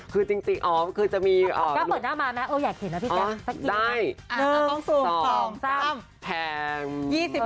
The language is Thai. กล้องเปิดหน้ามานะอยากเห็นนะพี่แจ๊ก